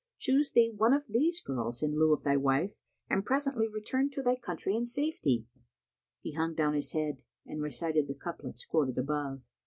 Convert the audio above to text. Choose thee one of these girls in lieu of thy wife and presently return to thy country in safety," he hung down his head and recited the couplets quoted above.